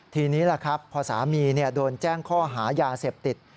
ทีนี้ล่ะครับพอสามีโดนแจ้งข้อหายาเสพติด